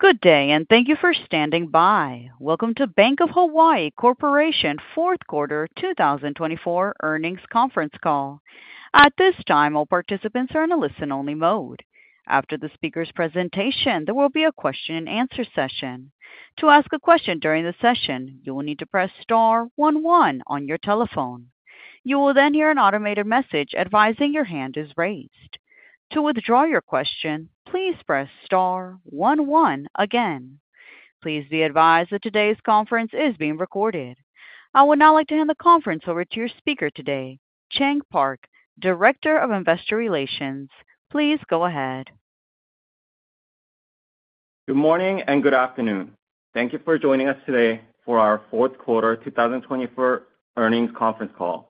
Good day, and thank you for standing by. Welcome to Bank of Hawaii Corporation Fourth Quarter 2024 Earnings Conference Call. At this time, all participants are in a listen-only mode. After the speaker's presentation, there will be a question-and-answer session. To ask a question during the session, you will need to press star one one on your telephone. You will then hear an automated message advising your hand is raised. To withdraw your question, please press star one one again. Please be advised that today's conference is being recorded. I would now like to hand the conference over to your speaker today, Chang Park, Director of Investor Relations. Please go ahead. Good morning and good afternoon. Thank you for joining us today for our Fourth Quarter 2024 Earnings Conference Call.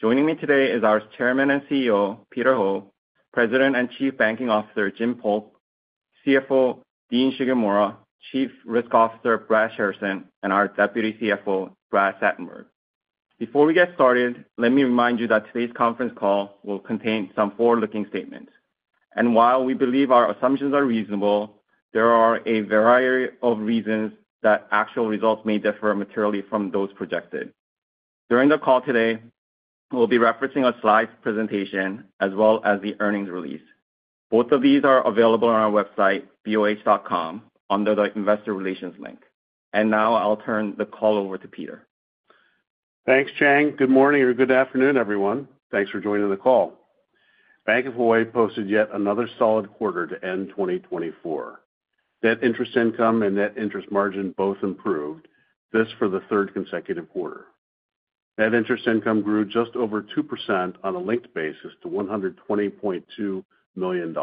Joining me today is our Chairman and CEO, Peter Ho, President and Chief Banking Officer, Jim Polk, CFO, Dean Shigemura, Chief Risk Officer, Brent Shidler, and our Deputy CFO, Brad Satenberg. Before we get started, let me remind you that today's conference call will contain some forward-looking statements, and while we believe our assumptions are reasonable, there are a variety of reasons that actual results may differ materially from those projected. During the call today, we'll be referencing a slide presentation as well as the earnings release. Both of these are available on our website, boh.com, under the Investor Relations link, and now I'll turn the call over to Peter. Thanks, Chang. Good morning or good afternoon, everyone. Thanks for joining the call. Bank of Hawaii posted yet another solid quarter to end 2024. Net interest income and net interest margin both improved, this for the third consecutive quarter. Net interest income grew just over 2% on a linked basis to $120.2 million.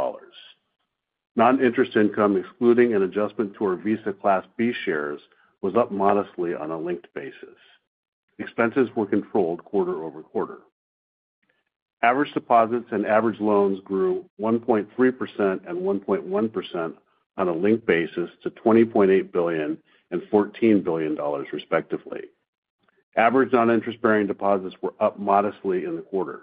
Noninterest income, excluding an adjustment to our Visa Class B shares, was up modestly on a linked basis. Expenses were controlled quarter over quarter. Average deposits and average loans grew 1.3% and 1.1% on a linked basis to $20.8 billion and $14 billion, respectively. Average noninterest-bearing deposits were up modestly in the quarter.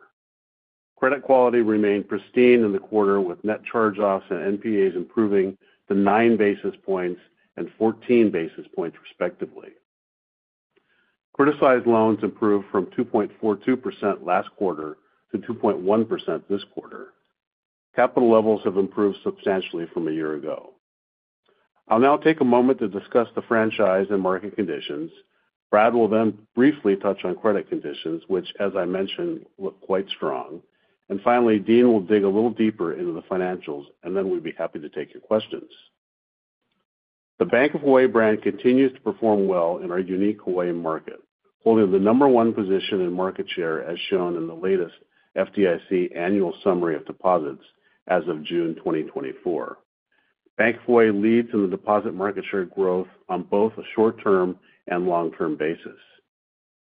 Credit quality remained pristine in the quarter, with net charge-offs and NPAs improving to 9 basis points and 14 basis points, respectively. Criticized loans improved from 2.42% last quarter to 2.1% this quarter. Capital levels have improved substantially from a year ago. I'll now take a moment to discuss the franchise and market conditions. Brad will then briefly touch on credit conditions, which, as I mentioned, look quite strong, and finally, Dean will dig a little deeper into the financials, and then we'd be happy to take your questions. The Bank of Hawaii brand continues to perform well in our unique Hawaii market, holding the number one position in market share as shown in the latest FDIC annual summary of deposits as of June 2024. Bank of Hawaii leads in the deposit market share growth on both a short-term and long-term basis.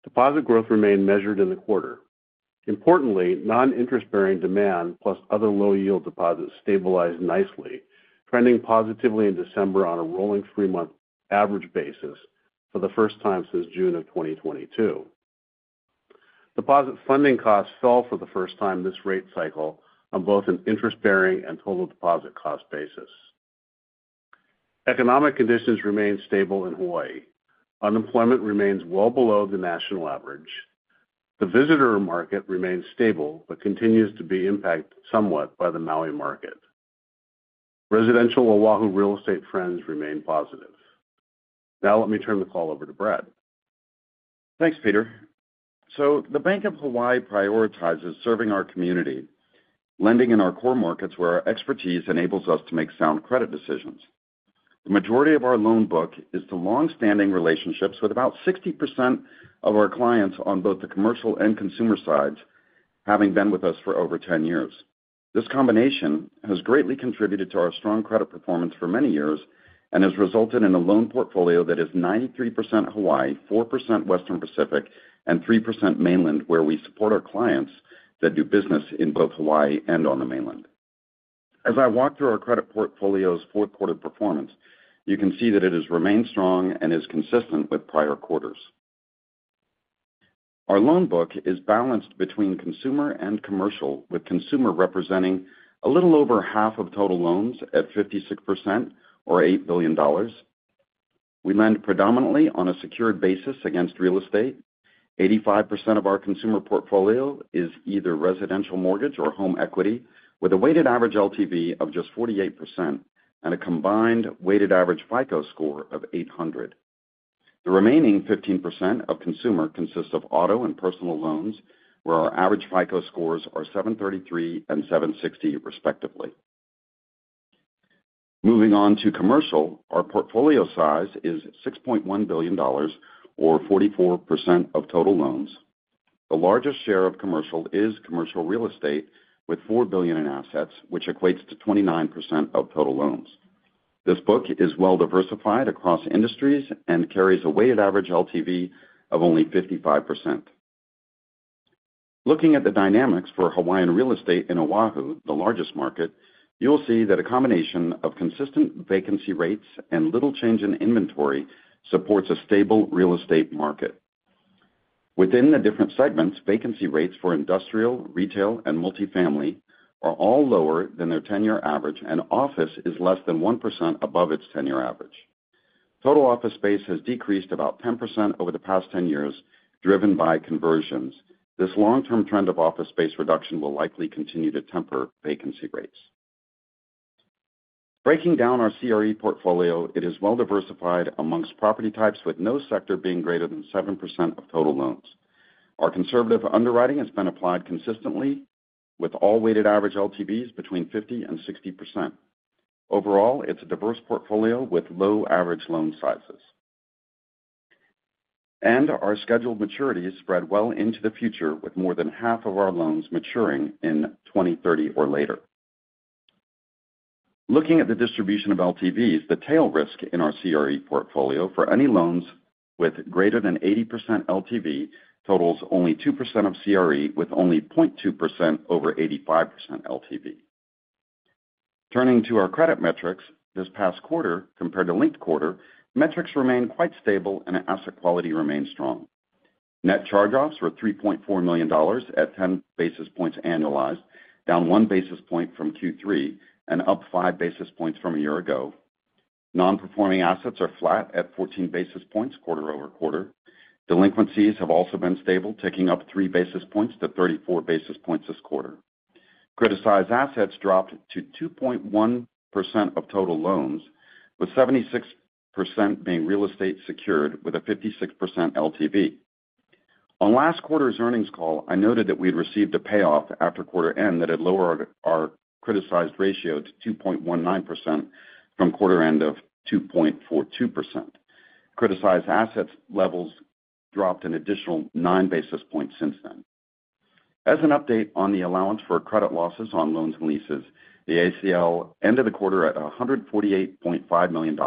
Deposit growth remained measured in the quarter. Importantly, non-interest-bearing demand plus other low-yield deposits stabilized nicely, trending positively in December on a rolling three-month average basis for the first time since June of 2022. Deposit funding costs fell for the first time this rate cycle on both an interest-bearing and total deposit cost basis. Economic conditions remain stable in Hawaii. Unemployment remains well below the national average. The visitor market remains stable but continues to be impacted somewhat by the Maui market. Residential Oahu real estate trends remain positive. Now let me turn the call over to Brad. Thanks, Peter. So the Bank of Hawaii prioritizes serving our community, lending in our core markets where our expertise enables us to make sound credit decisions. The majority of our loan book is to long-standing relationships with about 60% of our clients on both the commercial and consumer sides, having been with us for over 10 years. This combination has greatly contributed to our strong credit performance for many years and has resulted in a loan portfolio that is 93% Hawaii, 4% Western Pacific, and 3% mainland, where we support our clients that do business in both Hawaii and on the mainland. As I walk through our credit portfolio's fourth quarter performance, you can see that it has remained strong and is consistent with prior quarters. Our loan book is balanced between consumer and commercial, with consumer representing a little over half of total loans at 56% or $8 billion. We lend predominantly on a secured basis against real estate. 85% of our consumer portfolio is either residential mortgage or home equity, with a weighted average LTV of just 48% and a combined weighted average FICO score of 800. The remaining 15% of consumer consists of auto and personal loans, where our average FICO scores are 733 and 760, respectively. Moving on to commercial, our portfolio size is $6.1 billion or 44% of total loans. The largest share of commercial is commercial real estate, with $4 billion in assets, which equates to 29% of total loans. This book is well-diversified across industries and carries a weighted average LTV of only 55%. Looking at the dynamics for Hawaiian real estate in Oahu, the largest market, you'll see that a combination of consistent vacancy rates and little change in inventory supports a stable real estate market. Within the different segments, vacancy rates for industrial, retail, and multifamily are all lower than their ten-year average, and office is less than 1% above its ten-year average. Total office space has decreased about 10% over the past 10 years, driven by conversions. This long-term trend of office space reduction will likely continue to temper vacancy rates. Breaking down our CRE portfolio, it is well-diversified amongst property types, with no sector being greater than 7% of total loans. Our conservative underwriting has been applied consistently, with all weighted average LTVs between 50% and 60%. Overall, it's a diverse portfolio with low average loan sizes. And our scheduled maturities spread well into the future, with more than half of our loans maturing in 2030 or later. Looking at the distribution of LTVs, the tail risk in our CRE portfolio for any loans with greater than 80% LTV totals only 2% of CRE, with only 0.2% over 85% LTV. Turning to our credit metrics, this past quarter compared to linked quarter, metrics remain quite stable and asset quality remains strong. Net charge-offs were $3.4 million at 10 basis points annualized, down one basis point from Q3 and up five basis points from a year ago. Non-performing assets are flat at 14 basis points quarter over quarter. Delinquencies have also been stable, ticking up three basis points to 34 basis points this quarter. Criticized assets dropped to 2.1% of total loans, with 76% being real estate secured with a 56% LTV. On last quarter's earnings call, I noted that we had received a payoff after quarter end that had lowered our criticized ratio to 2.19% from quarter end of 2.42%. Criticized assets levels dropped an additional nine basis points since then. As an update on the allowance for credit losses on loans and leases, the ACL ended the quarter at $148.5 million.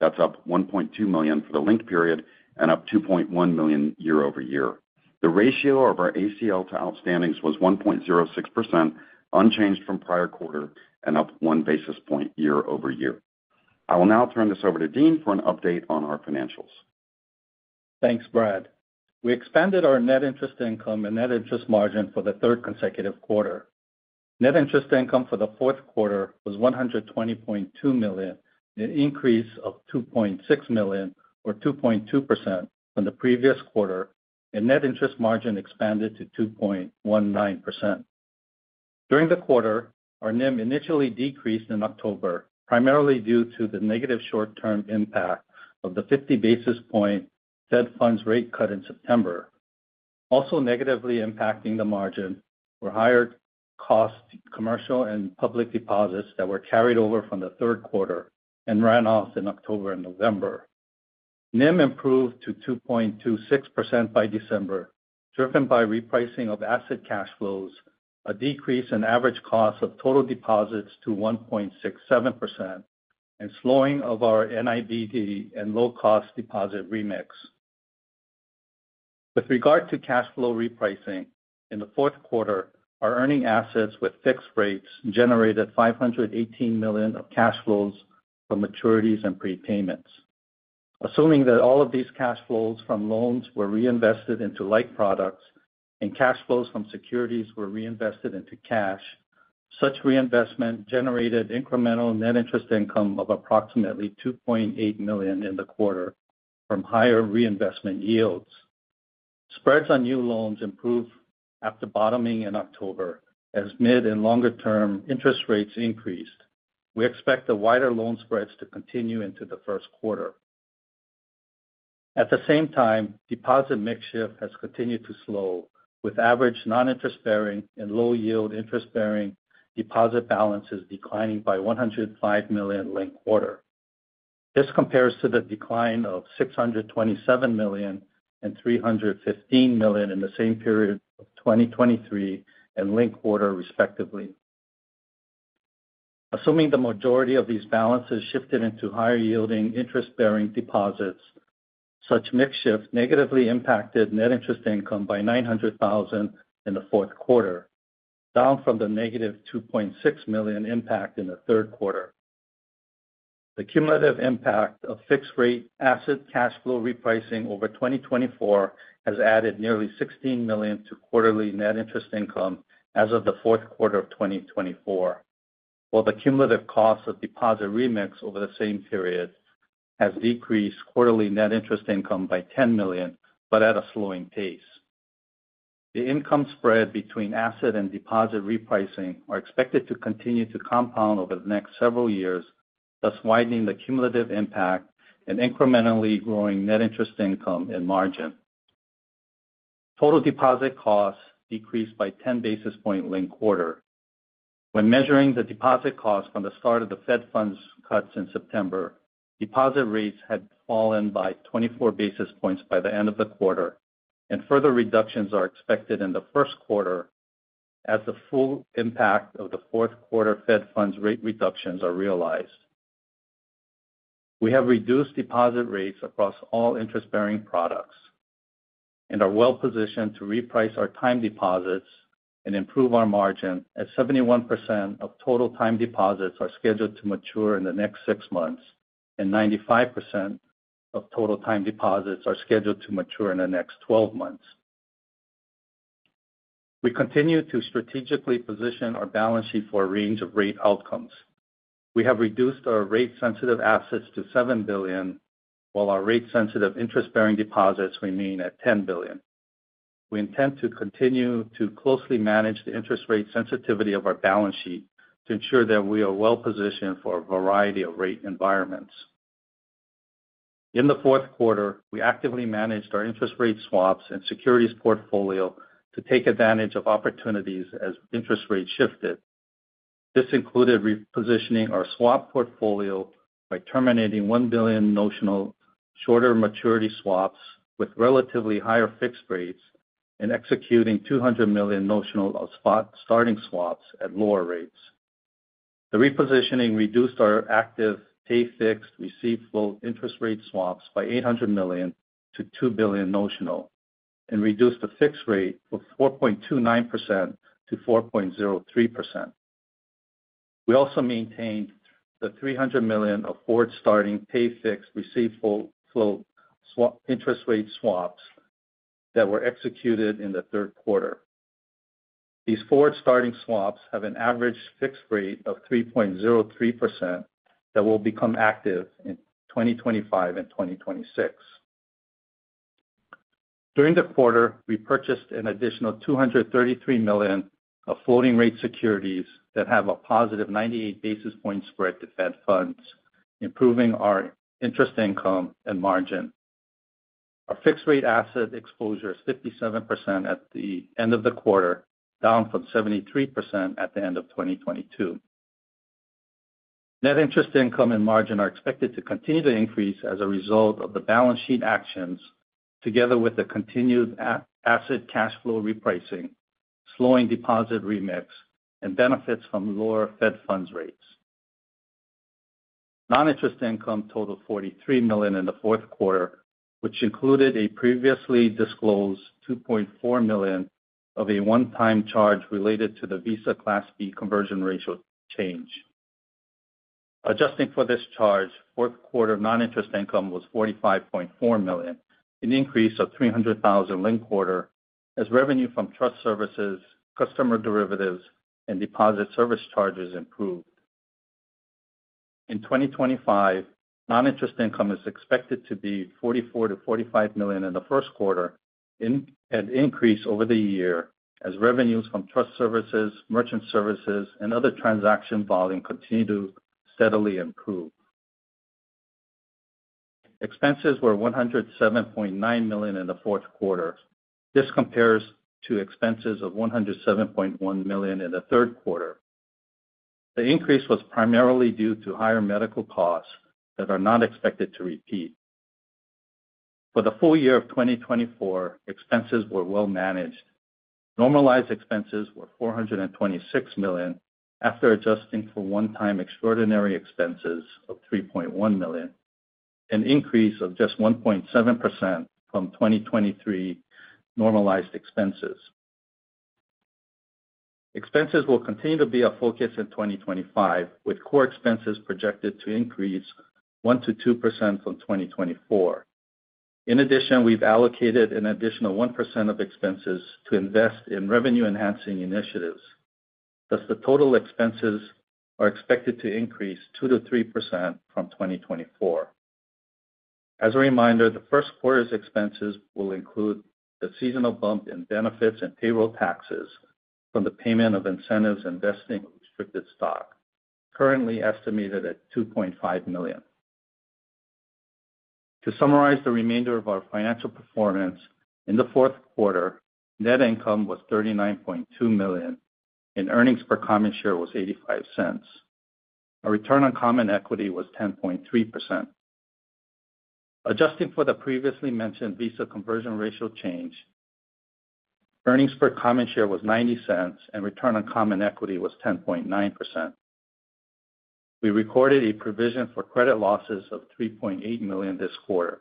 That's up $1.2 million for the linked period and up $2.1 million year-over-year. The ratio of our ACL to outstandings was 1.06%, unchanged from prior quarter and up one basis point year-over-year. I will now turn this over to Dean for an update on our financials. Thanks, Brad. We expanded our net interest income and net interest margin for the third consecutive quarter. Net interest income for the fourth quarter was $120.2 million, an increase of $2.6 million or 2.2% from the previous quarter, and net interest margin expanded to 2.19%. During the quarter, our NIM initially decreased in October, primarily due to the negative short-term impact of the 50 basis points Fed Funds rate cut in September. Also negatively impacting the margin were higher cost commercial and public deposits that were carried over from the third quarter and ran off in October and November. NIM improved to 2.26% by December, driven by repricing of asset cash flows, a decrease in average cost of total deposits to 1.67%, and slowing of our NIBD and low-cost deposit remix. With regard to cash flow repricing, in the fourth quarter, our earning assets with fixed rates generated $518 million of cash flows from maturities and prepayments. Assuming that all of these cash flows from loans were reinvested into like products and cash flows from securities were reinvested into cash, such reinvestment generated incremental net interest income of approximately $2.8 million in the quarter from higher reinvestment yields. Spreads on new loans improved after bottoming in October as mid and longer-term interest rates increased. We expect the wider loan spreads to continue into the first quarter. At the same time, deposit mix shift has continued to slow, with average non-interest-bearing and low-yield interest-bearing deposit balances declining by $105 million linked quarter. This compares to the decline of $627 million and $315 million in the same period of 2023 and linked quarter, respectively. Assuming the majority of these balances shifted into higher-yielding interest-bearing deposits, such mix shift negatively impacted net interest income by $900,000 in the fourth quarter, down from the negative $2.6 million impact in the third quarter. The cumulative impact of fixed-rate asset cash flow repricing over 2024 has added nearly $16 million to quarterly net interest income as of the fourth quarter of 2024, while the cumulative cost of deposit remix over the same period has decreased quarterly net interest income by $10 million, but at a slowing pace. The income spread between asset and deposit repricing are expected to continue to compound over the next several years, thus widening the cumulative impact and incrementally growing net interest income and margin. Total deposit costs decreased by 10 basis points linked quarter. When measuring the deposit costs from the start of the Fed Funds cuts in September, deposit rates had fallen by 24 basis points by the end of the quarter, and further reductions are expected in the first quarter as the full impact of the fourth quarter Fed Funds rate reductions are realized. We have reduced deposit rates across all interest-bearing products and are well-positioned to reprice our time deposits and improve our margin as 71% of total time deposits are scheduled to mature in the next six months and 95% of total time deposits are scheduled to mature in the next 12 months. We continue to strategically position our balance sheet for a range of rate outcomes. We have reduced our rate-sensitive assets to $7 billion, while our rate-sensitive interest-bearing deposits remain at $10 billion. We intend to continue to closely manage the interest rate sensitivity of our balance sheet to ensure that we are well-positioned for a variety of rate environments. In the fourth quarter, we actively managed our interest rate swaps and securities portfolio to take advantage of opportunities as interest rates shifted. This included repositioning our swap portfolio by terminating $1 billion notional shorter maturity swaps with relatively higher fixed rates and executing $200 million notional forward starting swaps at lower rates. The repositioning reduced our active pay-fixed receive-floating interest rate swaps by $800 million to $2 billion notional and reduced the fixed rate from 4.29% to 4.03%. We also maintained the $300 million forward starting pay-fixed receive-floating interest rate swaps that were executed in the third quarter. These forward starting swaps have an average fixed rate of 3.03% that will become active in 2025 and 2026. During the quarter, we purchased an additional $233 million of floating-rate securities that have a positive 98 basis points spread to Fed Funds, improving our interest income and margin. Our fixed-rate asset exposure is 57% at the end of the quarter, down from 73% at the end of 2022. Net interest income and margin are expected to continue to increase as a result of the balance sheet actions, together with the continued asset cash flow repricing, slowing deposit remix, and benefits from lower Fed Funds rates. Noninterest income totaled $43 million in the fourth quarter, which included a previously disclosed $2.4 million of a one-time charge related to the Visa Class B conversion ratio change. Adjusting for this charge, fourth quarter noninterest income was $45.4 million, an increase of $300,000 linked quarter, as revenue from trust services, customer derivatives, and deposit service charges improved. In 2025, noninterest income is expected to be $44-$45 million in the first quarter and increase over the year as revenues from trust services, merchant services, and other transaction volume continue to steadily improve. Expenses were $107.9 million in the fourth quarter. This compares to expenses of $107.1 million in the third quarter. The increase was primarily due to higher medical costs that are not expected to repeat. For the full year of 2024, expenses were well-managed. Normalized expenses were $426 million after adjusting for one-time extraordinary expenses of $3.1 million, an increase of just 1.7% from 2023 normalized expenses. Expenses will continue to be a focus in 2025, with core expenses projected to increase 1%-2% from 2024. In addition, we've allocated an additional 1% of expenses to invest in revenue-enhancing initiatives. Thus, the total expenses are expected to increase 2%-3% from 2024. As a reminder, the first quarter's expenses will include the seasonal bump in benefits and payroll taxes from the payment of incentives investing in restricted stock, currently estimated at $2.5 million. To summarize the remainder of our financial performance, in the fourth quarter, net income was $39.2 million and earnings per common share was $0.85. Our return on common equity was 10.3%. Adjusting for the previously mentioned Visa conversion ratio change, earnings per common share was $0.90 and return on common equity was 10.9%. We recorded a provision for credit losses of $3.8 million this quarter.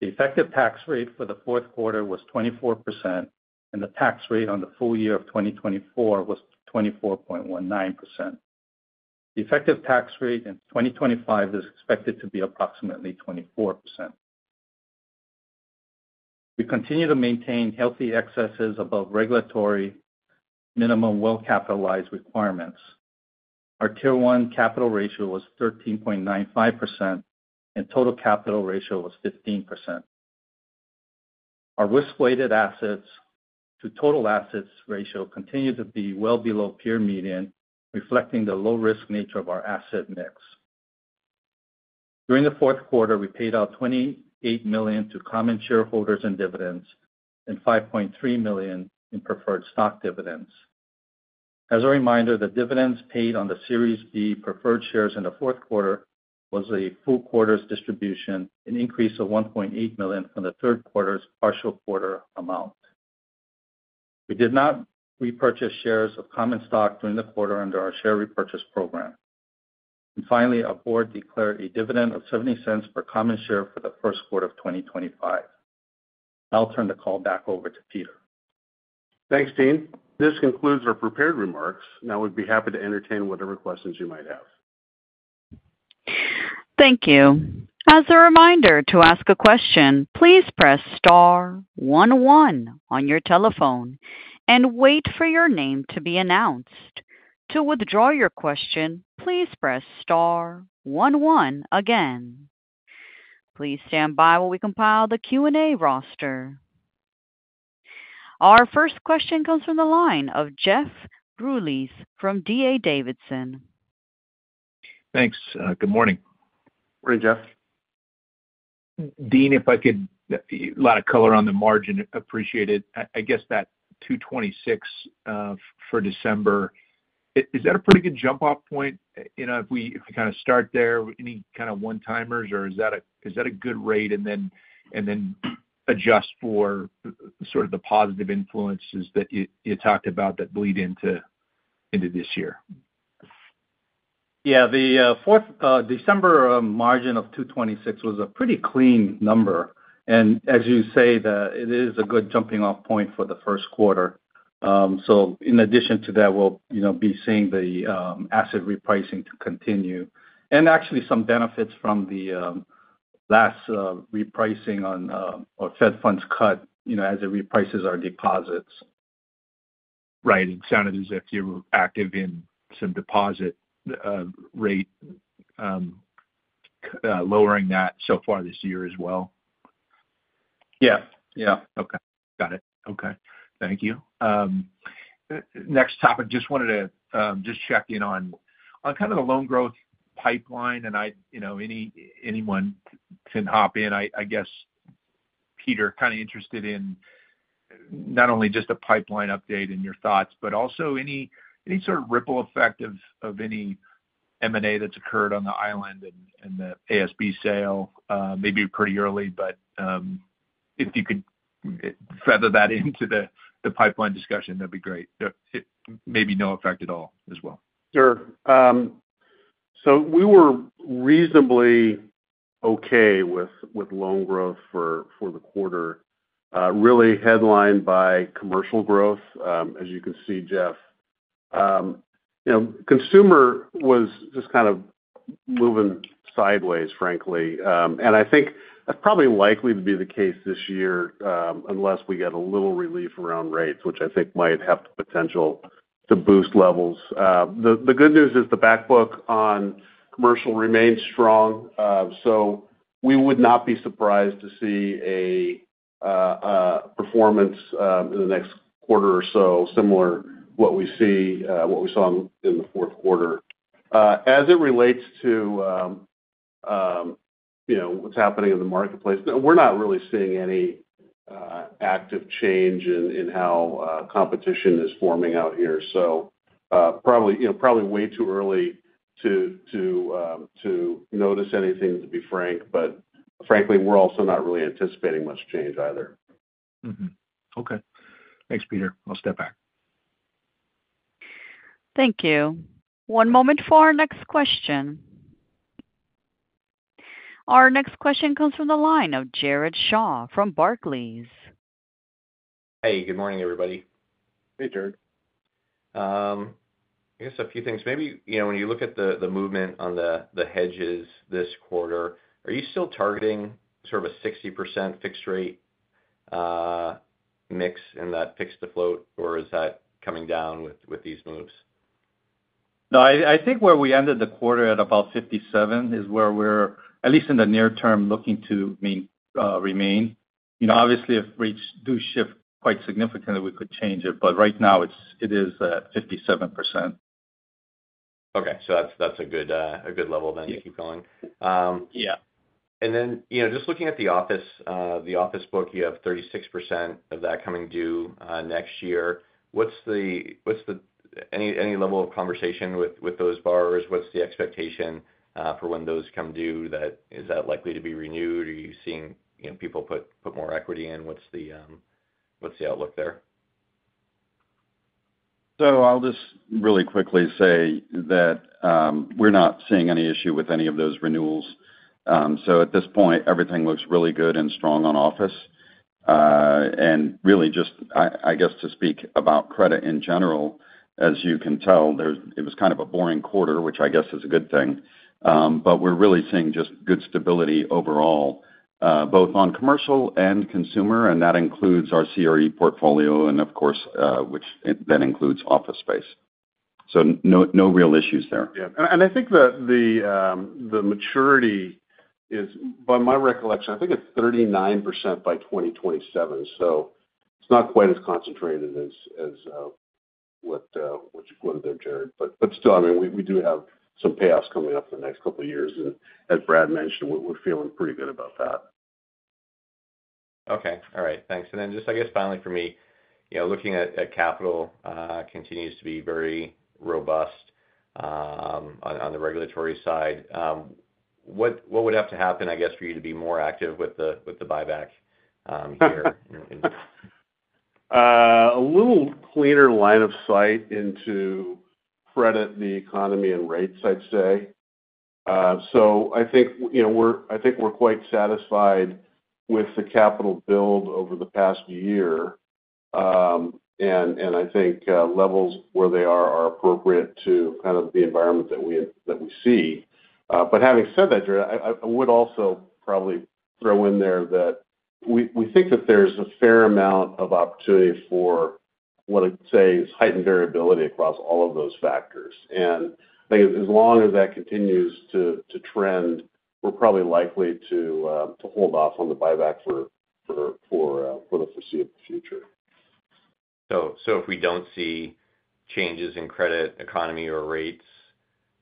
The effective tax rate for the fourth quarter was 24% and the tax rate on the full year of 2024 was 24.19%. The effective tax rate in 2025 is expected to be approximately 24%. We continue to maintain healthy excesses above regulatory minimum well-capitalized requirements. Our Tier 1 capital ratio was 13.95% and total capital ratio was 15%. Our risk-weighted assets to total assets ratio continued to be well below peer median, reflecting the low-risk nature of our asset mix. During the fourth quarter, we paid out $28 million to common shareholders and dividends and $5.3 million in preferred stock dividends. As a reminder, the dividends paid on the Series D preferred shares in the fourth quarter was a full quarter's distribution, an increase of $1.8 million from the third quarter's partial quarter amount. We did not repurchase shares of common stock during the quarter under our share repurchase program. Finally, our board declared a dividend of $0.70 per common share for the first quarter of 2025. I'll turn the call back over to Peter. Thanks, Dean. This concludes our prepared remarks. Now we'd be happy to entertain whatever questions you might have. Thank you. As a reminder to ask a question, please press star one one on your telephone and wait for your name to be announced. To withdraw your question, please press star one one again. Please stand by while we compile the Q&A roster. Our first question comes from the line of Jeff Rulis from D.A. Davidson. Thanks. Good morning. Morning, Jeff. Dean, if I could, a lot of color on the margin. Appreciate it. I guess that 226 for December, is that a pretty good jump-off point? If we kind of start there, any kind of one-timers, or is that a good rate and then adjust for sort of the positive influences that you talked about that bleed into this year? Yeah. The December margin of 2026 was a pretty clean number. And as you say, it is a good jumping-off point for the first quarter. So in addition to that, we'll be seeing the asset repricing to continue and actually some benefits from the last repricing on our Fed Funds cut as it reprices our deposits. Right. It sounded as if you were active in some deposit rate lowering that so far this year as well? Yeah. Yeah. Okay. Got it. Okay. Thank you. Next topic, just wanted to just check in on kind of the loan growth pipeline and anyone can hop in. I guess Peter kind of interested in not only just a pipeline update and your thoughts, but also any sort of ripple effect of any M&A that's occurred on the island and the ASB sale, maybe pretty early, but if you could feather that into the pipeline discussion, that'd be great. Maybe no effect at all as well. Sure, so we were reasonably okay with loan growth for the quarter, really headlined by commercial growth, as you can see, Jeff. Consumer was just kind of moving sideways, frankly, and I think that's probably likely to be the case this year unless we get a little relief around rates, which I think might have the potential to boost levels. The good news is the backbook on commercial remains strong, so we would not be surprised to see a performance in the next quarter or so similar to what we saw in the fourth quarter. As it relates to what's happening in the marketplace, we're not really seeing any active change in how competition is forming out here, so probably way too early to notice anything, to be frank, but frankly, we're also not really anticipating much change either. Okay. Thanks, Peter. I'll step back. Thank you. One moment for our next question. Our next question comes from the line of Jared Shaw from Barclays. Hey, good morning, everybody. Hey, Jared. I guess a few things. Maybe when you look at the movement on the hedges this quarter, are you still targeting sort of a 60% fixed rate mix and that fixed the float, or is that coming down with these moves? No, I think where we ended the quarter at about 57 is where we're, at least in the near term, looking to remain. Obviously, if rates do shift quite significantly, we could change it, but right now it is at 57%. Okay, so that's a good level then to keep going. Yeah. And then just looking at the office book, you have 36% of that coming due next year. What's the level of conversation with those borrowers? What's the expectation for when those come due? Is that likely to be renewed? Are you seeing people put more equity in? What's the outlook there? So I'll just really quickly say that we're not seeing any issue with any of those renewals. So at this point, everything looks really good and strong on office. And really just, I guess, to speak about credit in general, as you can tell, it was kind of a boring quarter, which I guess is a good thing. But we're really seeing just good stability overall, both on commercial and consumer, and that includes our CRE portfolio, and of course, which then includes office space. So no real issues there. Yeah, and I think the maturity is, by my recollection, I think it's 39% by 2027, so it's not quite as concentrated as what you quoted there, Jared, but still, I mean, we do have some payoffs coming up in the next couple of years, and as Brad mentioned, we're feeling pretty good about that. Okay. All right. Thanks and then just, I guess, finally for me, looking at capital continues to be very robust on the regulatory side. What would have to happen, I guess, for you to be more active with the buyback here? A little clearer line of sight into credit, the economy, and rates, I'd say. So I think we're quite satisfied with the capital build over the past year. And I think levels where they are are appropriate to kind of the environment that we see. But having said that, Jared, I would also probably throw in there that we think that there's a fair amount of opportunity for what I'd say is heightened variability across all of those factors. And I think as long as that continues to trend, we're probably likely to hold off on the buyback for the foreseeable future. So if we don't see changes in credit, economy, or rates,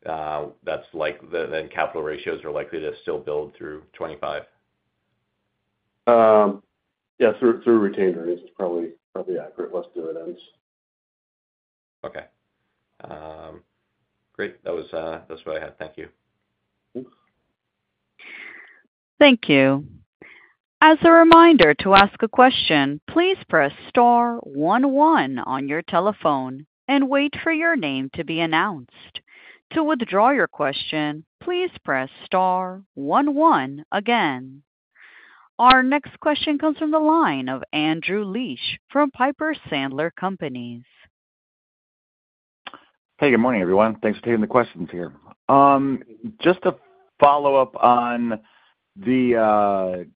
then capital ratios are likely to still build through 2025? Yeah. Through retained earnings is probably accurate. Less dividends. Okay. Great. That's what I had. Thank you. Thank you. As a reminder to ask a question, please press star one one on your telephone and wait for your name to be announced. To withdraw your question, please press star one one again. Our next question comes from the line of Andrew Liesch from Piper Sandler Companies. Hey, good morning, everyone. Thanks for taking the questions here. Just to follow up on the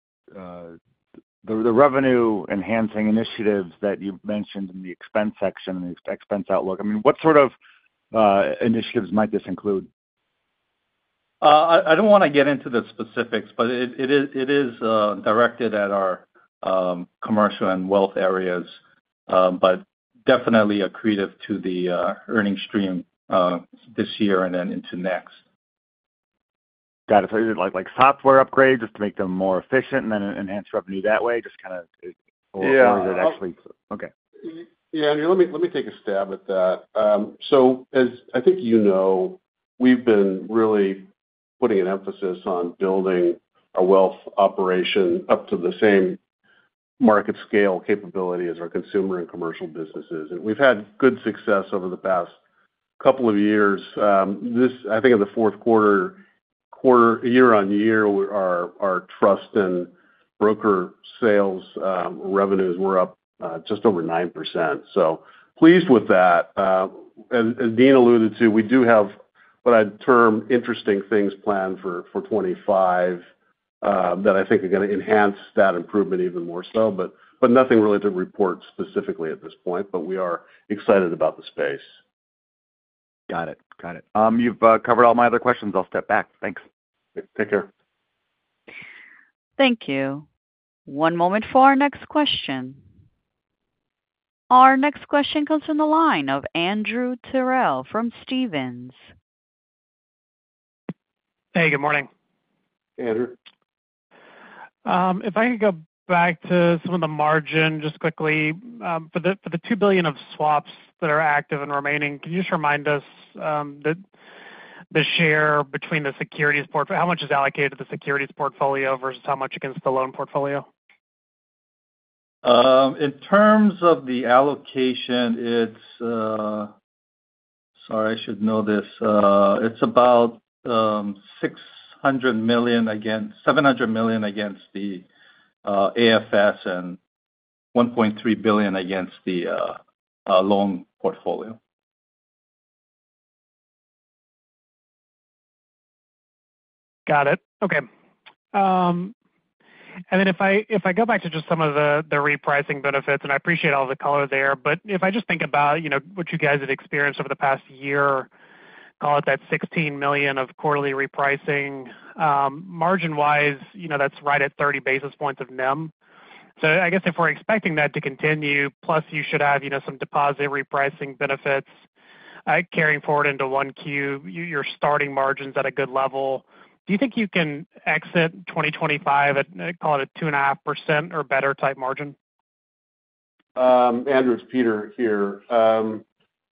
revenue-enhancing initiatives that you mentioned in the expense section and the expense outlook, I mean, what sort of initiatives might this include? I don't want to get into the specifics, but it is directed at our commercial and wealth areas, but definitely accretive to the earnings stream this year and then into next. Got it. So is it like software upgrades just to make them more efficient and then enhance revenue that way? Just kind of or is it actually? Yeah. Okay. Yeah. Let me take a stab at that. So as I think you know, we've been really putting an emphasis on building our wealth operation up to the same market scale capability as our consumer and commercial businesses. And we've had good success over the past couple of years. I think in the fourth quarter, year on year, our trust and broker sales revenues were up just over 9%. So pleased with that. As Dean alluded to, we do have what I term interesting things planned for 2025 that I think are going to enhance that improvement even more so, but nothing really to report specifically at this point, but we are excited about the space. Got it. Got it. You've covered all my other questions. I'll step back. Thanks. Take care. Thank you. One moment for our next question. Our next question comes from the line of Andrew Terrell from Stephens. Hey, good morning. Hey, Andrew. If I could go back to some of the margin just quickly. For the two billion of swaps that are active and remaining, can you just remind us the share between the securities portfolio? How much is allocated to the securities portfolio versus how much against the loan portfolio? In terms of the allocation, it's, sorry, I should know this. It's about $600 million against $700 million against the AFS and $1.3 billion against the loan portfolio. Got it. Okay. And then if I go back to just some of the repricing benefits, and I appreciate all the color there, but if I just think about what you guys have experienced over the past year, call it that $16 million of quarterly repricing, margin-wise, that's right at 30 basis points of NIM. So I guess if we're expecting that to continue, plus you should have some deposit repricing benefits carrying forward into one Q, your starting margins at a good level, do you think you can exit 2025 at, call it a 2.5% or better type margin? Andrew, it's Peter here.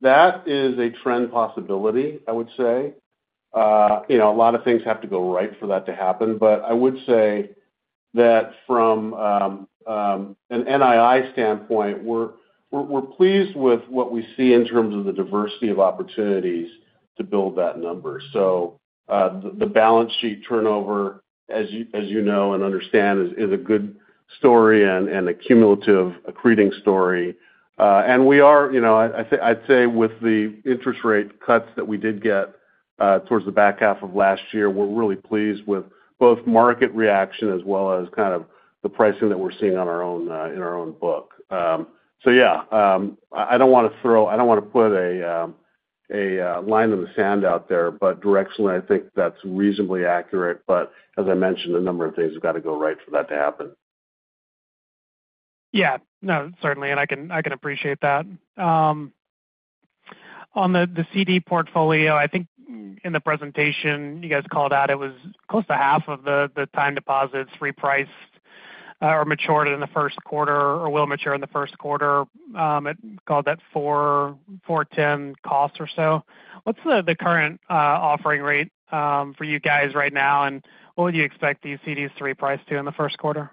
That is a trend possibility, I would say. A lot of things have to go right for that to happen, but I would say that from an NII standpoint, we're pleased with what we see in terms of the diversity of opportunities to build that number, so the balance sheet turnover, as you know and understand, is a good story and a cumulative accreting story, and we are, I'd say, with the interest rate cuts that we did get towards the back half of last year, we're really pleased with both market reaction as well as kind of the pricing that we're seeing in our own book, so yeah, I don't want to throw, I don't want to put a line in the sand out there, but directionally, I think that's reasonably accurate. But as I mentioned, a number of things have got to go right for that to happen. Yeah. No, certainly. And I can appreciate that. On the CD portfolio, I think in the presentation, you guys called out that it was close to half of the time deposits repriced or matured in the first quarter or will mature in the first quarter. That cost 4.10% or so. What's the current offering rate for you guys right now, and what would you expect these CDs to reprice to in the first quarter?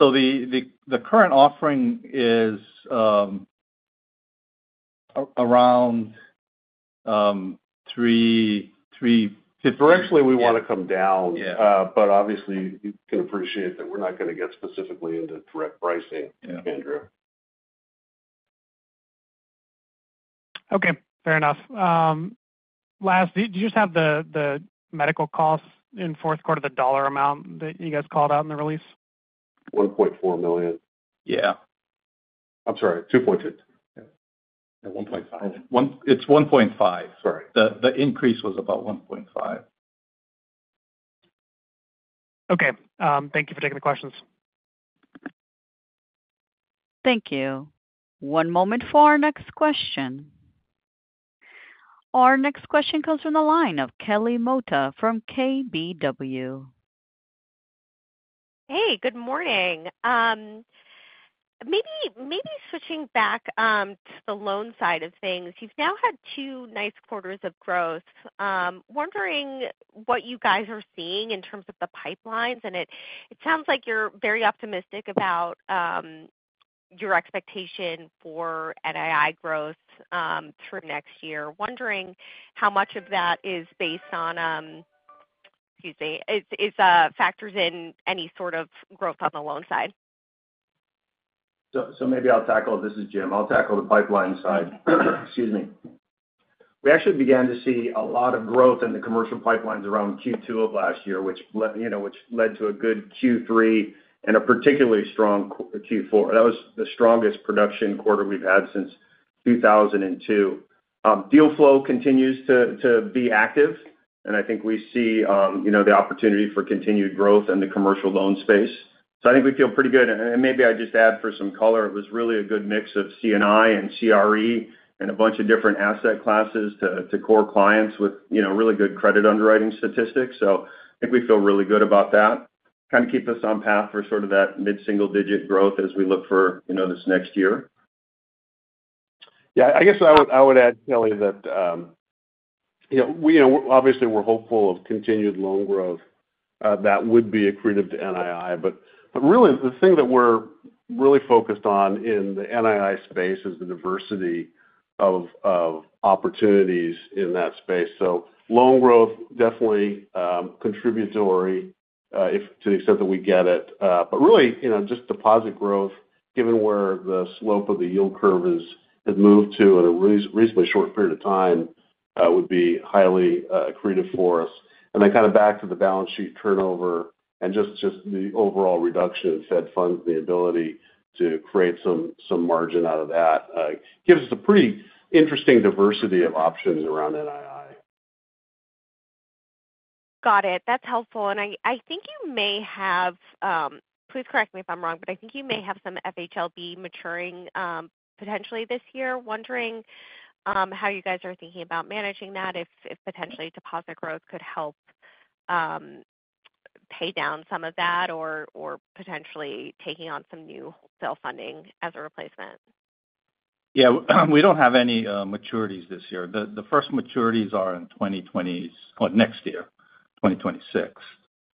The current offering is around three. Differentially, we want to come down, but obviously, you can appreciate that we're not going to get specifically into direct pricing, Andrew. Okay. Fair enough. Last, did you just have the medical costs in fourth quarter, the dollar amount that you guys called out in the release? 1.4 million. Yeah. I'm sorry. 2.2. Yeah. Yeah. 1.5. It's 1.5. Sorry. The increase was about 1.5. Okay. Thank you for taking the questions. Thank you. One moment for our next question. Our next question comes from the line of Kelly Motta from KBW. Hey, good morning. Maybe switching back to the loan side of things, you've now had two nice quarters of growth. Wondering what you guys are seeing in terms of the pipelines, and it sounds like you're very optimistic about your expectation for NII growth through next year. Wondering how much of that is based on, excuse me, is factoring in any sort of growth on the loan side? So maybe I'll tackle. This is Jim. I'll tackle the pipeline side. Excuse me. We actually began to see a lot of growth in the commercial pipelines around Q2 of last year, which led to a good Q3 and a particularly strong Q4. That was the strongest production quarter we've had since 2002. Deal flow continues to be active, and I think we see the opportunity for continued growth in the commercial loan space. So I think we feel pretty good. And maybe I just add for some color, it was really a good mix of C&I and CRE and a bunch of different asset classes to core clients with really good credit underwriting statistics. So I think we feel really good about that. Kind of keep us on path for sort of that mid-single digit growth as we look for this next year. Yeah. I guess I would add, Kelly, that obviously, we're hopeful of continued loan growth that would be accretive to NII. But really, the thing that we're really focused on in the NII space is the diversity of opportunities in that space. So loan growth definitely contributory to the extent that we get it. But really, just deposit growth, given where the slope of the yield curve has moved to in a reasonably short period of time, would be highly accretive for us. And then kind of back to the balance sheet turnover and just the overall reduction in Fed funds, the ability to create some margin out of that gives us a pretty interesting diversity of options around NII. Got it. That's helpful, and I think you may have, please correct me if I'm wrong, but I think you may have some FHLB maturing potentially this year. Wondering how you guys are thinking about managing that if potentially deposit growth could help pay down some of that or potentially taking on some new wholesale funding as a replacement. Yeah. We don't have any maturities this year. The first maturities are in 2020, next year, 2026.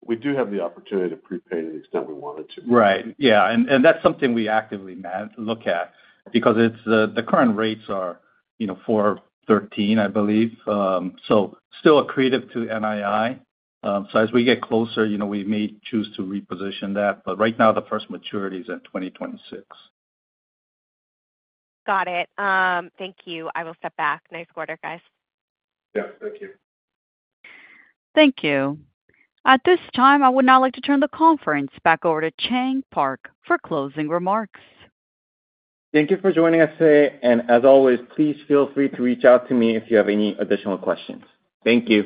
We do have the opportunity to prepay to the extent we wanted to. Right. Yeah. And that's something we actively look at because the current rates are 413, I believe. So still accretive to NII. So as we get closer, we may choose to reposition that. But right now, the first maturity is in 2026. Got it. Thank you. I will step back. Nice quarter, guys. Yeah. Thank you. Thank you. At this time, I would now like to turn the conference back over to Chang Park for closing remarks. Thank you for joining us today. As always, please feel free to reach out to me if you have any additional questions. Thank you.